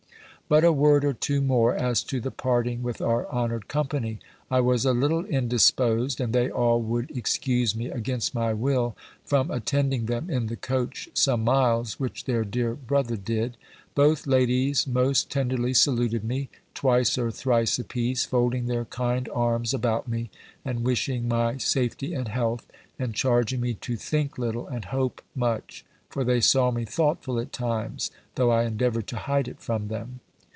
But a word or two more, as to the parting with our honoured company. I was a little indisposed, and they all would excuse me, against my will, from attending them in the coach some miles, which their dear brother did. Both ladies most tenderly saluted me, twice or thrice a piece, folding their kind arms about me, and wishing my safety and health, and charging me to think little, and hope much; for they saw me thoughtful at times, though I endeavoured to hide it from them.